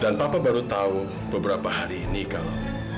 dan papa baru tahu beberapa hari ini kalo